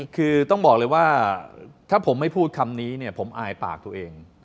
คือต้องบอกเลยว่าถ้าผมไม่พูดคำนี้เนี่ยผมอายปากตัวเอง